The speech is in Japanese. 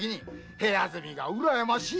部屋住みがうらやましい！